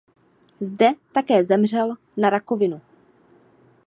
Zde také zemřel na rakovinu.